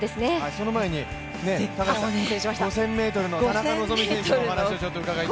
その前に、５０００ｍの田中希実選手の話を伺いたい。